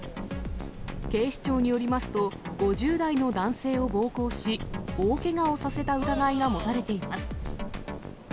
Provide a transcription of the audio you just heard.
警視庁によりますと、５０代の男性を暴行し、大けがをさせた疑いが持たれています。